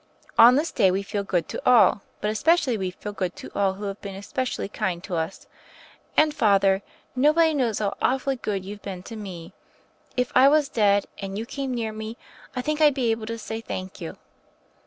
"On this day we feel good to all. But espe cially we feel good to all who have been espe dally kind to us. And, Father, nobody knows how awfully good you've been to me. If I wa^ dead, and you came near me, I think I'd be able to say *Thank you.'